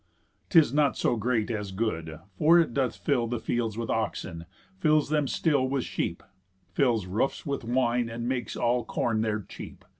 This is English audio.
'Tis not so great as good, for it doth fill The fields with oxen, fills them still with sheep, Fills roofs with wine, and makes all corn there cheap.